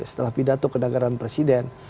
setelah pidato ke dagaran presiden